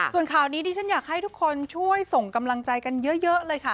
ส่วนข่าวนี้ดิฉันอยากให้ทุกคนช่วยส่งกำลังใจกันเยอะเลยค่ะ